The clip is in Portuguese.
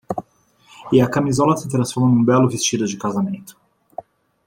E a camisola se transformara num belo vestido de casamento.